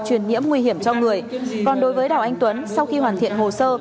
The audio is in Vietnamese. truyền nhiễm nguy hiểm cho người còn đối với đào anh tuấn sau khi hoàn thiện hồ sơ